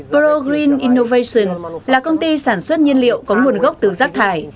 pro green innovations là công ty sản xuất nhân liệu có nguồn gốc từ rác thải